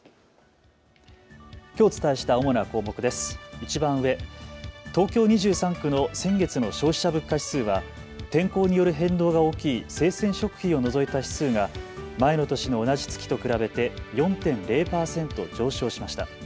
いちばん上、東京２３区の先月の消費者物価指数は天候による変動が大きい生鮮食品を除いた指数が前の年の同じ月と比べて４．０％上昇しました。